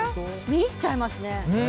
見入っちゃいますね。